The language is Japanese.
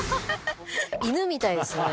犬みたいですね。